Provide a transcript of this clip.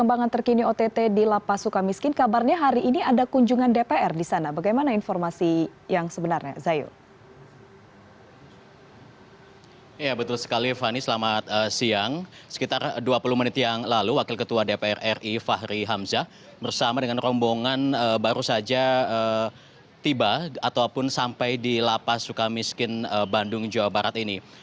sepuluh menit yang lalu wakil ketua dpr ri fahri hamzah bersama dengan rombongan baru saja tiba ataupun sampai di lapas suka miskin bandung jawa barat ini